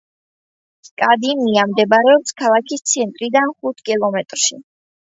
კადიმია მდებარეობს ქალაქის ცენტრიდან ხუთ კილომეტრში.